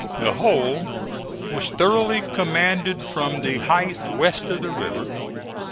The whole was thoroughly commanded from the height west of the river.